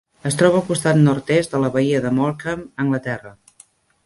Es troba al costat nord-est de la bahia de Morecambe, Anglaterra.